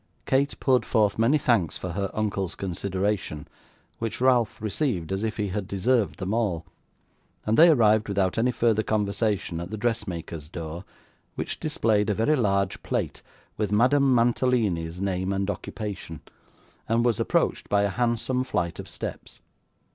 Kate poured forth many thanks for her uncle's consideration, which Ralph received as if he had deserved them all, and they arrived without any further conversation at the dressmaker's door, which displayed a very large plate, with Madame Mantalini's name and occupation, and was approached by a handsome flight of steps.